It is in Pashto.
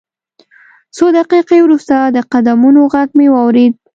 څو دقیقې وروسته د قدمونو غږ مې واورېد